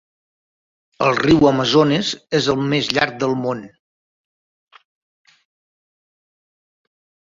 El riu Amazones és el més llarg del món.